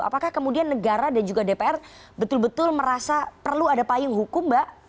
apakah kemudian negara dan juga dpr betul betul merasa perlu ada payung hukum mbak